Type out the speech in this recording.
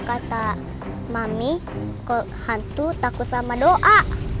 kata mami kok hantu takut sama doa